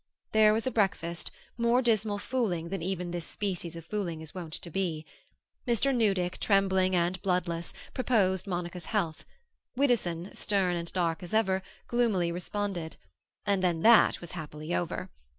There was a breakfast, more dismal fooling than even this species of fooling is wont to be. Mr. Newdick, trembling and bloodless, proposed Monica's health; Widdowson, stern and dark as ever, gloomily responded; and then, that was happily over.